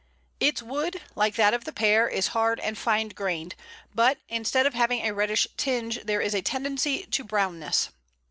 Its wood, like that of the Pear, is hard and fine grained, but, instead of having a reddish tinge, there is a tendency to brownness.